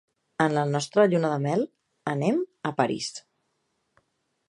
En la nostra lluna de mel, anem a París.